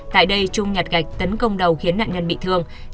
tại đây trung nhặt gạch tấn công đầu khiến nạn nhân bị thương